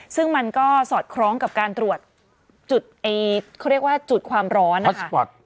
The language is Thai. ซึ่งมันก็สอดคล้องกับการตรวจจุดความร้อนนะคะ